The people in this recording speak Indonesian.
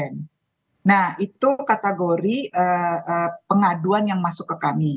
nah itu kategori pengaduan yang masuk ke kami